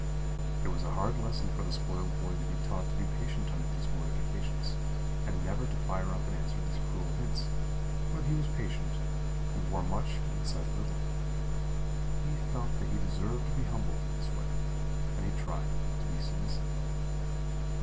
"It was a hard lesson for the spoiled boy to be taught to be patient under these mortifications, and never to fire up and answer these cruel hints; but he was patient, he bore much and said little. He felt that he deserved to be humbled in this way, and he tried to be submissive.